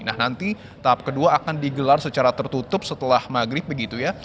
nah nanti tahap kedua akan digelar secara tertutup setelah maghrib begitu ya